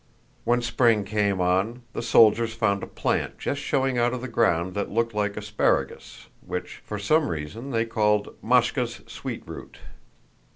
When spring came on, the soldiers found a plant just showing out of the ground that looked like asparagus, which, for some reason, they called "Máshka's sweet root."